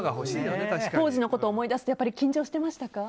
当時のことを思い出すとやっぱり緊張してましたか？